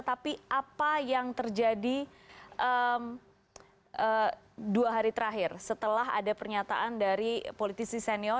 tapi apa yang terjadi dua hari terakhir setelah ada pernyataan dari politisi senior